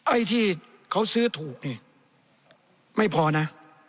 ไอ้ที่เขาซื้อถูกนี่ไม่พอนะ